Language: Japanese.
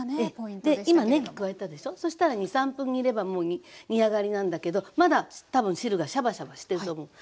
今ねぎ加えたでしょそしたら２３分煮ればもう煮上がりなんだけどまだ多分汁がシャバシャバしてると思う。